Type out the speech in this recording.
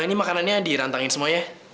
ini makanannya dirantangin semuanya